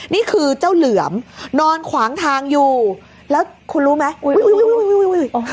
นี่คือเจ้าเหลือมนอนขวางทางอยู่แล้วคุณรู้ไหม